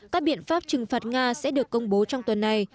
các biện pháp trừng phạt nga sẽ được công bố trong tuần này